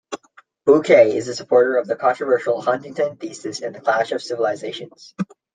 Bukay is a supporter of the controversial Huntington thesis of the Clash of Civilisations.